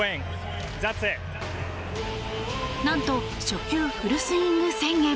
何と初球フルスイング宣言。